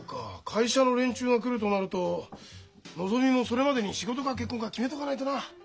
会社の連中が来るとなるとのぞみもそれまでに仕事か結婚か決めとかないとな。